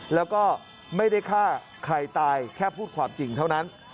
แล้วก็ไม่ได้ฆ่าใครตายแค่พูดความจริงเท่านั้น